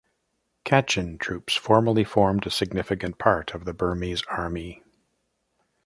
Kachin troops formerly formed a significant part of the Burmese army.